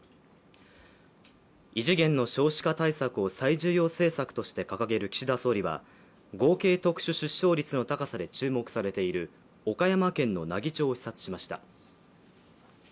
異次元の少子化対策を最重要政策として掲げる岸田総理は合計特殊出生率の高さで注目されている岡山県の奈義町を視察しました。